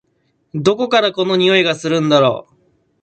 どこからこの匂いがするんだろ？